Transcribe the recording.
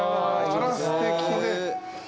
あらすてきね。